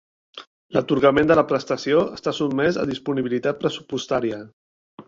L'atorgament de la prestació està sotmès a disponibilitat pressupostària.